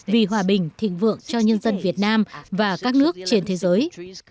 vì hòa bình thịnh vượng cho nhân dân việt nam và các nước trên thế giới